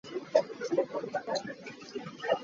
A kut a caak tuk i lung in aa ngen.